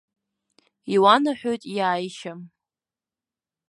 Иуанаҳәоит иааишьа.